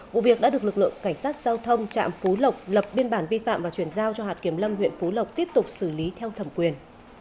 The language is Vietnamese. vụ việc đã được lực lượng cảnh sát giao thông trạm phú lộc lập biên bản vi phạm và chuyển giao cho hạt kiểm lâm huyện phú lộc tiếp tục xử lý theo thẩm quyền